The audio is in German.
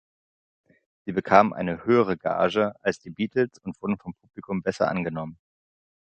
Sie bekamen eine höhere Gage als die Beatles und wurden vom Publikum besser angenommen.